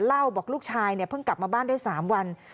เล่าบอกลูกชายพึ่งกลับมาบ้านได้๓วัน